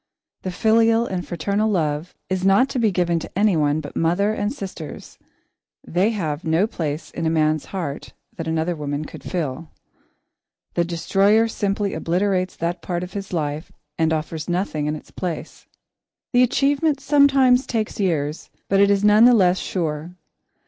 The filial and fraternal love is not to be given to anyone but mother and sisters they have no place in a man's heart that another woman could fill. The destroyer simply obliterates that part of his life and offers nothing in its place. The achievement sometimes takes years, but it is none the less sure.